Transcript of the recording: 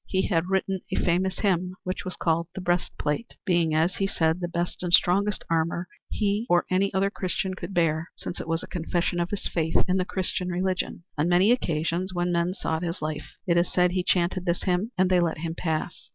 He had written a famous hymn which was called "the breastplate," being as he said the best and strongest armor he or any other Christian could bear, since it was a confession of his faith in the Christian religion. On many occasions, when men sought his life, it is said he chanted this hymn and they let him pass.